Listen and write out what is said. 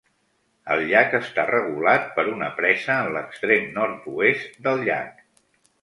El llac està regulat per una presa en l'extrem nord-oest del llac.